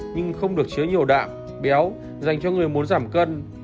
nhưng không được chứa nhiều đạm béo dành cho người muốn giảm cân